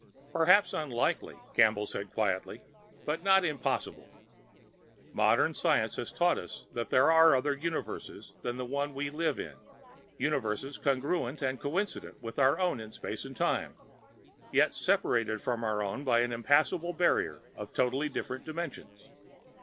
"Perhaps unlikely," Campbell said quietly, "but not impossible. Modern science has taught us that there are other universes than the one we live in, universes congruent and coincident with our own in space and time, yet separated from our own by the impassable barrier of totally different dimensions.